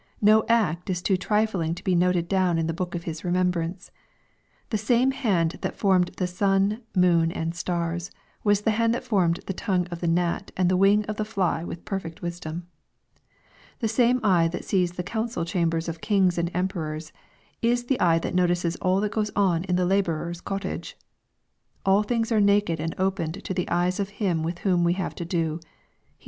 No act is too trifling to be uoied down in the book of His remem brance. The ^mme hand that formed the sun, moon, and stars, was the hand that formed the tongue of the gnat and the wing of the fly with perfect wisdom. The same eye that sees the council chambers of kings and emperors, is the eye that notices all that goes on in the laborer's cottage. " All things are naked and opened to the eyes of Him with whom we have to do." (Heb.